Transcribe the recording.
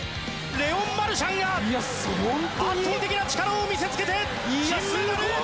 レオン・マルシャンが圧倒的な力を見せつけて金メダル！